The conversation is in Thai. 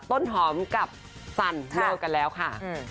ต้นหอมกับสันเลิกกันแล้วค่ะ